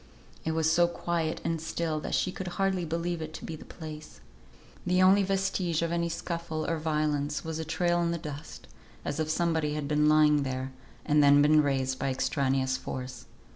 It was so quiet and still that she could hardly believe it to be the place. The only vestige of any scuffle or violence was a trail on the dust, as if somebody had been lying there, and then been raised by extraneous force.